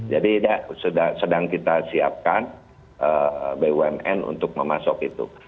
jadi sudah sedang kita siapkan bumn untuk memasok itu